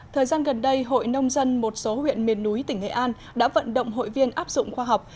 thời gian gần đây hội nông dân một số huyện miền núi tỉnh nghệ an đã vận động hội viên áp dụng khoa học